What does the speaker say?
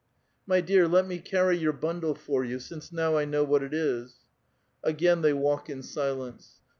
My dear, let me carry your bundle for you, since now I know wliat it la" Ai^ain they walk in silence.